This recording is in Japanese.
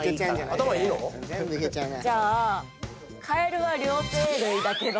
頭いいの⁉じゃあ「カエルは両生類だけど」